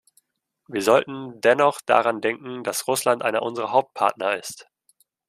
Wir sollten dennoch daran denken, dass Russland einer unserer Hauptpartner ist.